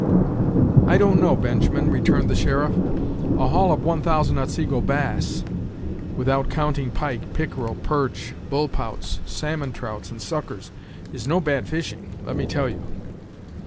"I don't know, Benjamin," returned the sheriff; "a haul of one thousand Otsego bass, without counting pike, pickerel, perch, bull pouts, salmon trouts, and suckers, is no bad fishing, let me tell you.